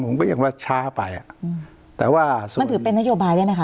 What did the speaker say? ผมก็ยังว่าช้าไปอ่ะอืมแต่ว่ามันถือเป็นนโยบายได้ไหมค